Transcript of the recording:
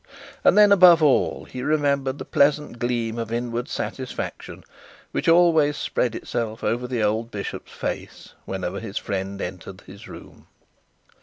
And then, above all, he remembered the pleasant gleam of inward satisfaction which always spread itself over the old bishop's face, whenever his friend entered his room.